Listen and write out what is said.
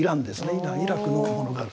イランイラクのものがあると。